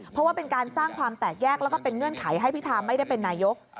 เพราะว่าเป็นการสร้างความแตกแยกแล้วก็เป็นเงื่อนไขให้พิธาไม่ได้เป็นนายก